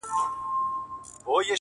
خو په ژوند کي یې نصیب دا یو کمال وو -